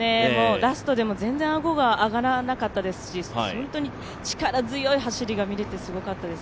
ラストでも全然顎が上がらなかったですし本当に力強い走りが見れてすごかったです。